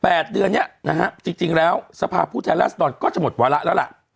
แปดเดือนนี้น่ะฮะจริงแล้วสภาพผู้แทนและอัสดอนก็จะหมดวาระแล้วล่ะ